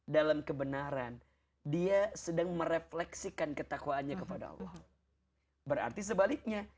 dalam kebenaran dia sedang merefleksikan ketakwaannya kepada allah berarti sebaliknya